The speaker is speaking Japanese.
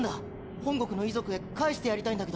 本国の遺族へ返してやりたいんだけど。